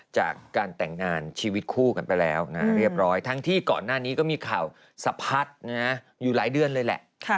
จากการแต่งงานชีวิตคู่กันไปแล้วเรียบร้อยทั้งที่ก่อนหน้านี้ก็มีข่าวสะพัดอยู่หลายเดือนเลยแหละ